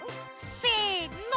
せの！